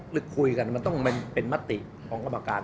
หรือคุยกันมันต้องเป็นมติของกรรมการ